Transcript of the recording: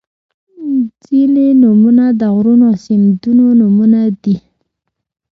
• ځینې نومونه د غرونو او سیندونو نومونه دي.